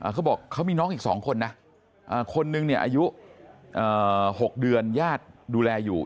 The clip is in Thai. เขาบอกเขามีน้องอีก๒คนนะคนนึงเนี่ยอายุ๖เดือนญาติดูแลอยู่